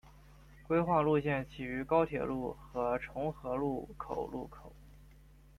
规划路线起于高铁路和重和路口路口。